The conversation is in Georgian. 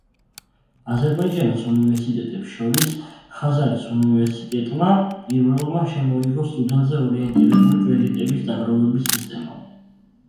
აზერბაიჯანის უნივერსიტეტებს შორის ხაზარის უნივერსიტეტმა პირველმა შემოიღო სტუდენტზე ორიენტირებული კრედიტების დაგროვების სისტემა.